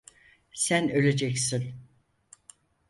Sen öleceksin.